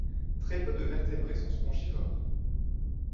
Très peu de vertébrés sont spongivores.